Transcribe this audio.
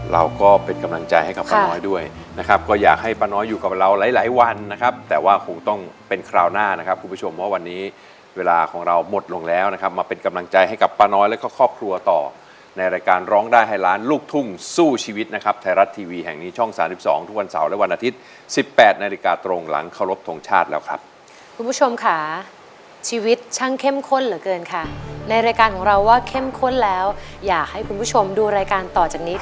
เราก็เป็นกำลังใจให้กับป้าน้อยด้วยนะครับก็อยากให้ป้าน้อยอยู่กับเราหลายวันนะครับแต่ว่าคงต้องเป็นคราวหน้านะครับคุณผู้ชมว่าวันนี้เวลาของเรามดลงแล้วนะครับมาเป็นกำลังใจให้กับป้าน้อยแล้วก็ครอบครัวต่อในรายการร้องได้ให้ล้านลูกทุ่งสู้ชีวิตนะครับไทยรัฐทีวีแห่งนี้ช่อง๓๒ทุกวันเสาร์และวันอาทิ